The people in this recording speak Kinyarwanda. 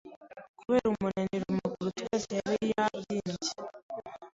Kubera umunaniro amaguru twese yari yabyimbye